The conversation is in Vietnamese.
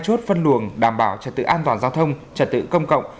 chốt phân luồng đảm bảo trật tự an toàn giao thông trật tự công cộng